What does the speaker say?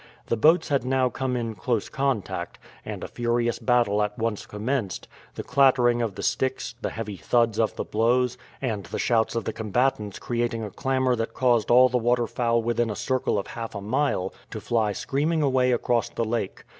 The boats had now come in close contact, and a furious battle at once commenced, the clattering of the sticks, the heavy thuds of the blows, and the shouts of the combatants creating a clamor that caused all the waterfowl within a circle of half a mile to fly screaming away across the lake.